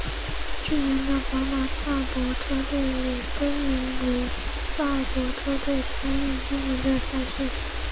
去年的宝马萨伯车队也更名为萨伯车队参与今年的赛事。